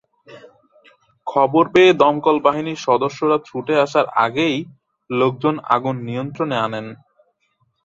খবর পেয়ে দমকল বাহিনীর সদস্যরা ছুটে আসার আগেই লোকজন আগুন নিয়ন্ত্রণে আনেন।